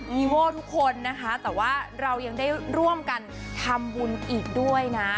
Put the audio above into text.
มีโว้ทุกคนนะคะแต่ว่าเรายังได้ร่วมกันทำบุญอีกด้วยนะ